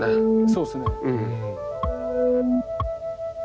そうですね。